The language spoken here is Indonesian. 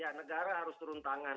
ya negara harus turun tangan